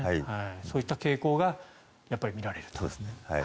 そういった傾向が見られると。